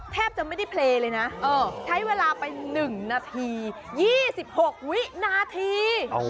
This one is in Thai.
แทบจะไม่ได้เพลย์เลยนะใช้เวลาไป๑นาที๒๖วินาที